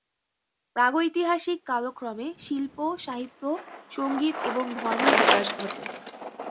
প্রাগৈতিহাসিক কালক্রমে শিল্প, স্থাপত্য, সংগীত এবং ধর্মের বিকাশ ঘটে।